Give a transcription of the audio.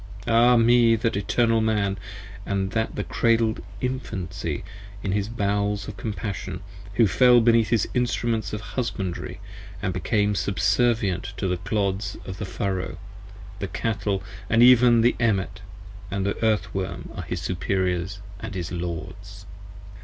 Ah me! of that Eternal Man, And of the cradle'd Infancy in his bowels of compassion, 35 Who fell beneath his instruments of husbandry & became Subservient to the clods of the furrow: the cattle and even The emmet and earth worm are his superiors & his lords.